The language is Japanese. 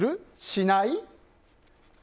しない？